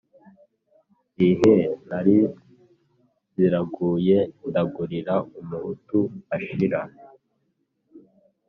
iheee! naraziraguye ndagurira umuhutu mashira